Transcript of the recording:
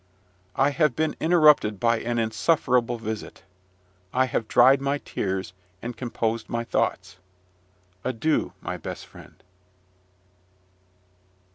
I have been interrupted by an insufferable visit. I have dried my tears, and composed my thoughts. Adieu, my best friend!